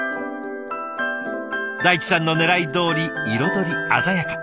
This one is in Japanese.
大地さんのねらいどおり彩り鮮やか。